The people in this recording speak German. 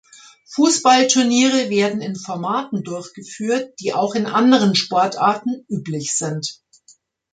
Fußballturniere werden in Formaten durchgeführt, die auch in anderen Sportarten üblich sind.